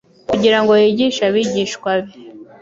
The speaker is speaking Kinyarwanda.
Kugira ngo yigishe abigishwa be,